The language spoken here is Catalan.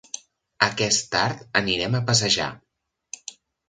Aquest tard anirem a passejar.